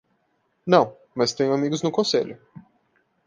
Não, mas tenho amigos no conselho.